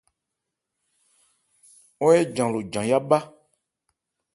Ɔ́n éjan lo jan yá bhá.